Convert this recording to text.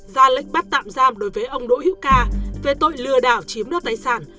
ra lệnh bắt tạm giam đối với ông đỗ hiếu ca về tội lừa đảo chiếm đất tài sản